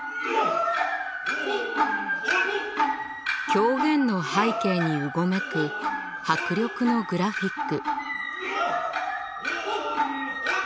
狂言の背景にうごめく迫力のグラフィック。